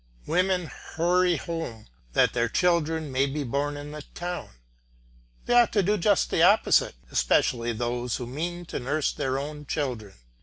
Women hurry home that their children may be born in the town; they ought to do just the opposite, especially those who mean to nurse their own children.